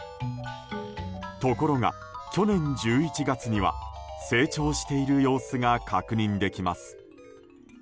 ところが、去年１１月には成長している様子が確認できます。